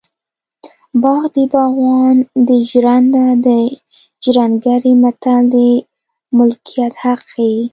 باغ د باغوان دی ژرنده د ژرندګړي متل د ملکیت حق ښيي